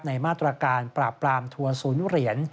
ในมาตรการปราบปรามทัวร์ศูนย์เหรียญ